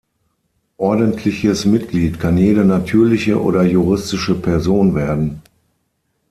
Ordentliches Mitglied kann jede natürliche oder juristische Person werden.